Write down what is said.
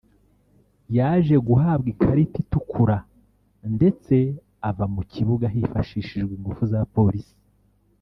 yaje guhabwa ikarita itukura ndetse ava mu kibuga hifashishijwe ingufu za polisi